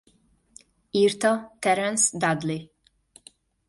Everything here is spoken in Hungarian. Írta Terence Dudley.